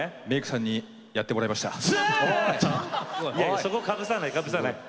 いやそこかぶさないかぶさない。